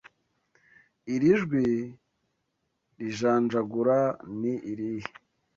Iri jwi rijanjagura ni irihe?